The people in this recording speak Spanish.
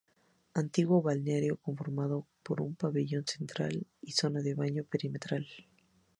Antiguo balneario conformado por un pabellón central y zona de baño perimetral.